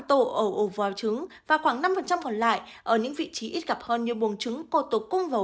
tổ ở ổ vào trứng và khoảng năm còn lại ở những vị trí ít gặp hơn như buồng trứng cột tử cung và ổ